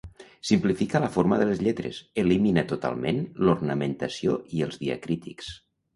Simplifica la forma de les lletres, elimina totalment l'ornamentació i els diacrítics.